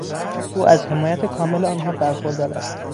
او از حمایت کامل آنها برخوردار است.